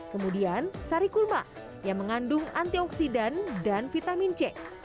kemudian sari kulma yang mengandung antioksidan dan vitamin c